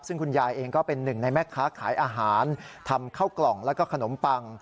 ซึ่งคุณยายเองก็เป็นหนึ่งในแม่ค้าขายอาหารทำเข้ากล่องแล้วก็ขนมปัง